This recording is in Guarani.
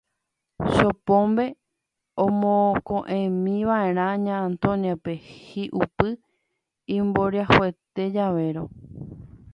Chopombe omoko'ẽmiva'erã Ña Antonia-pe hi'upy imboriahuete javérõ.